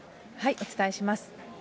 お伝えします。